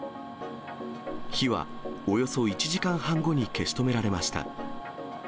火はおよそ１時間半後に消し止められました。